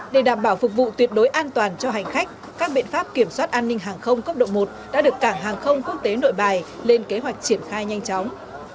để đảm bảo phục vụ tuyệt đối an toàn cho hành khách các biện pháp kiểm soát an ninh hàng không cấp độ một đã được cảng hàng không quốc tế nội bài lên kế hoạch triển khai nhanh chóng